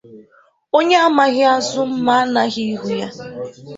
Onye amaghị azụ mmà anaghị ihu ya.